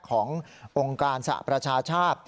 ขององค์การสหประชาชาติ